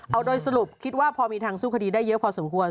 เอาโดยสรุปคิดว่าพอมีทางสู้คดีได้เยอะพอสมควร